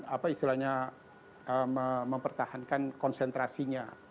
apa istilahnya mempertahankan konsentrasinya